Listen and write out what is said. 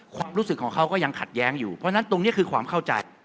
ความรู้สึกของเขาก็ยังขัดแย้งอยู่เพราะฉะนั้นตรงนี้คือความเข้าใจ